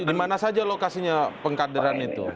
di mana saja lokasinya pengkaderan itu